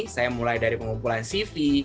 saya mulai dari pengumpulan cv